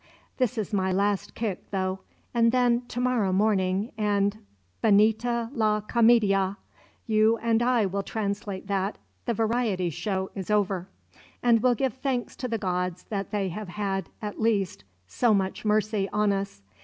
This is my last kick, though; and then, to morrow morning, and 'Finita la Commedia!' You and I will translate that: 'The variety show is over'; and will give thanks to the gods that they have had, at least, so much mercy on us.